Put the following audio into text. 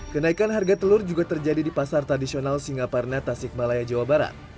kenaikan harga telur juga terjadi di pasar tradisional singaparna tasik malaya jawa barat